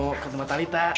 gua mau ke rumah talitha